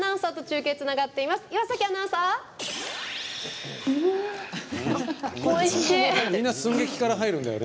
みんな寸劇から入るんだよね。